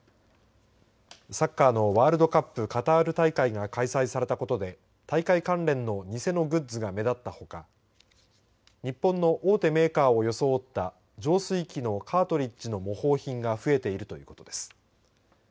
サッカーのワールドカップカタール大会が開催されたことで大会関連の偽のグッズが目立ったほか日本の大手メーカーを装った浄水器のカートリッジの模倣品が増えているということです。